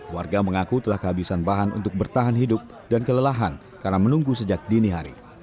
warga mengaku telah kehabisan bahan untuk bertahan hidup dan kelelahan karena menunggu sejak dini hari